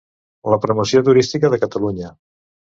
La promoció turística de Catalunya.